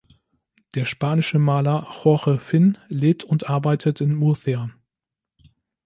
Der spanische Maler Jorge Fin lebt und arbeitet in Murcia.